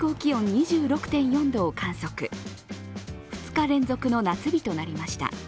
２日連続の夏日となりました。